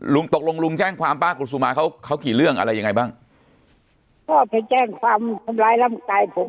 ลุงตกลงลุงแจ้งความป้ากุศุมาเขาเขากี่เรื่องอะไรยังไงบ้างพ่อไปแจ้งความทำร้ายร่างกายผม